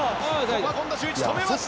ここは権田修一止めました！